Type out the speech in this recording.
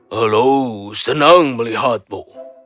halo senang melihatmu